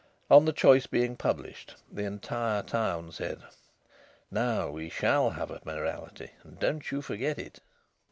On the choice being published the entire town said: "Now we shall have a mayoralty and don't you forget it!"